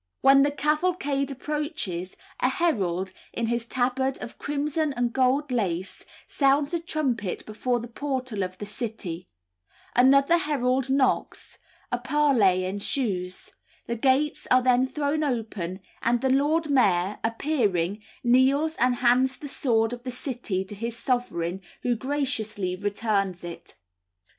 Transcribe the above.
When the cavalcade approaches, a herald, in his tabard of crimson and gold lace, sounds a trumpet before the portal of the City; another herald knocks; a parley ensues; the gates are then thrown open, and the Lord Mayor appearing, kneels and hands the sword of the city to his sovereign, who graciously returns it.